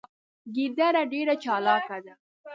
ګیدړه ډیره چالاکه ده